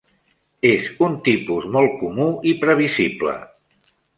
És un tipus molt comú i previsible.